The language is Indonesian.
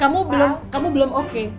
kamu belum kamu belum oke